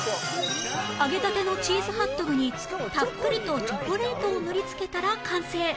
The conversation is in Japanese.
揚げたてのチーズハットグにたっぷりとチョコレートを塗りつけたら完成